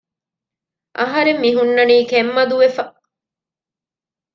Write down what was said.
އަހަރެން މިހުންނަނީ ކެތްމަދުވެފަ